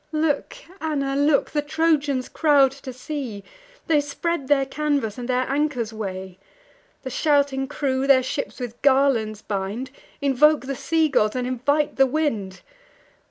"Look, Anna! look! the Trojans crowd to sea; They spread their canvas, and their anchors weigh. The shouting crew their ships with garlands bind, Invoke the sea gods, and invite the wind.